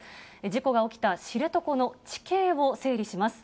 事故が起きた知床の地形を整理します。